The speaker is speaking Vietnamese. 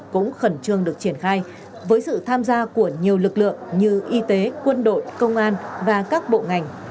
cũng khẩn trương được triển khai với sự tham gia của nhiều lực lượng như y tế quân đội công an và các bộ ngành